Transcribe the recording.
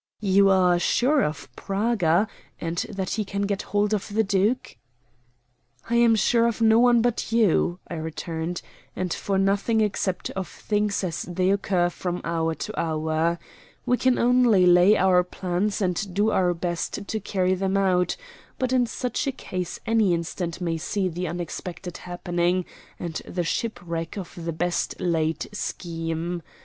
"You are sure of Praga, and that he can get hold of the duke?" "I am sure of no one but you," I returned; "and of nothing except of things as they occur from hour to hour. We can only lay our plans and do our best to carry them out; but in such a case any instant may see the unexpected happening, and the shipwreck of the best laid scheme.